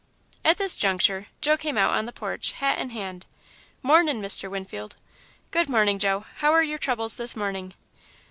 At this juncture, Joe came out on the porch, hat in hand. "Mornin', Mr. Winfield." "Good morning, Joe; how are your troubles this morning?"